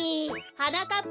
はなかっ